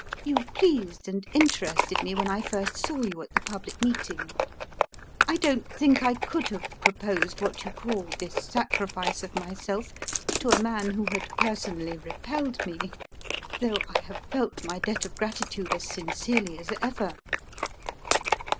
You pleased and interested me when I first saw you at the public meeting. I don't think I could have proposed what you call this sacrifice of myself to a man who had personally repelled me, though I have felt my debt of gratitude as sincerely as ever.